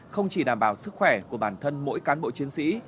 không chỉ đảm bảo sức khỏe của bản thân mỗi cán bộ chiến sĩ